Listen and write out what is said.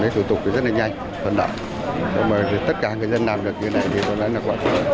thủ tục rất là nhanh phân đẳng tất cả người dân làm được như thế này thì tôi đã nhắc lại